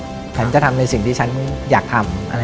ฉันจะทำในสิ่งที่ฉันอยากทำ